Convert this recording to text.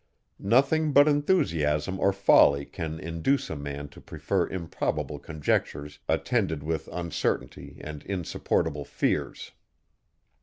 Nothing but enthusiasm or folly can induce a man to prefer improbable conjectures, attended with uncertainty and insupportable fears.